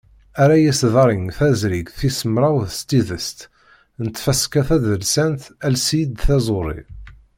Ara yesdarin tazrigt tis mraw d sḍiset n tfaska tadelsant "Ales-iyi-d taẓuri".